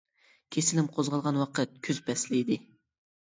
كېسىلىم قوزغالغان ۋاقىت كۈز پەسلى ئىدى.